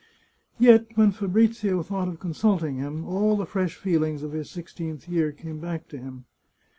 Yet when Fabrizio thought of consulting him, all the fresh feelings of his sixteenth year came back to him.